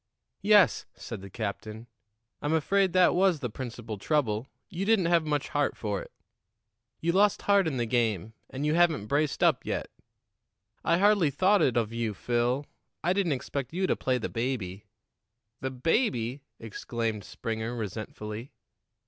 "Yes," said the captain, "I'm afraid that was the principal trouble you didn't have much heart for it. You lost heart in the game, and you haven't braced up yet. I hardly thought it of you, Phil; I didn't expect you to play the baby." "The baby!" exclaimed Springer resentfully.